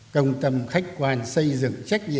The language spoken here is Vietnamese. công tâm khách quan xây dựng trách nhiệm